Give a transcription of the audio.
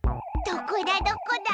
どこだどこだ？